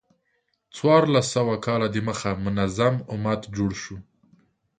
څوارلس سوه کاله د مخه منظم امت جوړ شو.